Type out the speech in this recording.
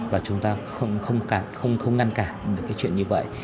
và chúng ta không ngăn cản được cái chuyện như vậy